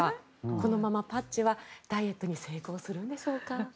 このままパッチはダイエットに成功するんでしょうか。